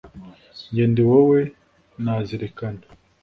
jye ndi wowe nazirikana